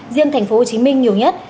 riêng thành phố hồ chí minh nhiều nhất